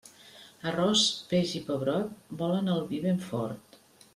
Arròs, peix i pebrot volen el vi ben fort.